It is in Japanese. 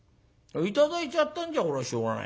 頂いちゃったんじゃしょうがないよ。